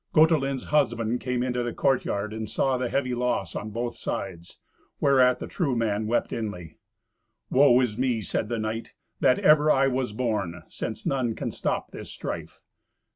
Gotelind's husband came into the courtyard and saw the heavy loss on both sides, whereat the true man wept inly. "Woe is me," said the knight, "that ever I was born, since none can stop this strife!